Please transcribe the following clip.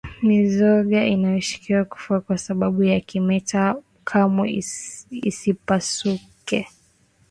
Mizoga inayoshukiwa kufa kwa sababu ya kimeta kamwe isipasuliwe